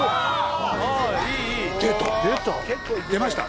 出ました。